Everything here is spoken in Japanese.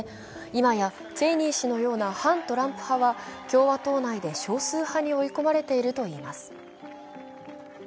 今やチェイニー氏のような反トランプ派は共和党内で少数派に追い込まれているといいます。